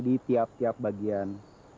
di tiap tiap bagian